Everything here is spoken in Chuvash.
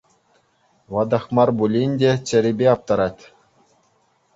Ватах мар пулин те, чӗрипе аптрать.